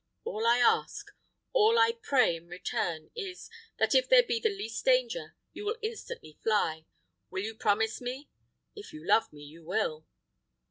All I ask, all I pray in return is, that if there be the least danger, you will instantly fly. Will you promise me? If you love me you will."